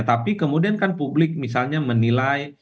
tapi kemudian kan publik misalnya menilai